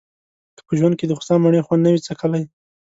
که په ژوند کې دخوسا مڼې خوند نه وي څکلی.